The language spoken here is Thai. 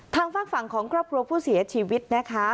ฝากฝั่งของครอบครัวผู้เสียชีวิตนะคะ